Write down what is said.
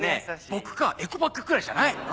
僕かエコバッグくらいじゃない？